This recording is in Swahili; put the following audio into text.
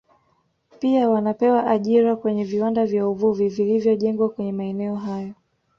Pia wanapewa ajira kwenye viwanda vya uvuvi vilivyojengwa kwenye maeneo hayo